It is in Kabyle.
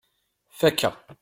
Fakeɣ.